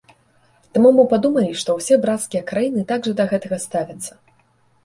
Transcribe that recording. Таму мы падумалі, што ўсе брацкія краіны так жа да гэтага ставяцца.